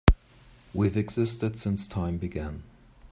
We've existed since time began.